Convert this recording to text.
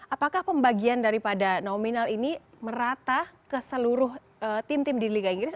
apakah pembagian daripada nominal ini merata ke seluruh tim tim di liga inggris